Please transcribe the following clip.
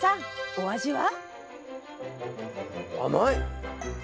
お味は？